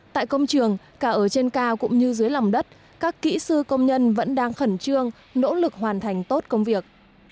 tại công trường cả ở trên cao cũng như dưới lòng đất các kỹ sư công nhân vẫn đang khẩn trương nỗ lực hoàn thành tốt công việc